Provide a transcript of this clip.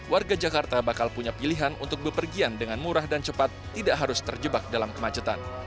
warga jakarta bakal punya pilihan untuk bepergian dengan murah dan cepat tidak harus terjebak dalam kemacetan